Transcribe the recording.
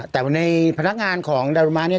แต่ในพนักงานของดารุมาเนี่ย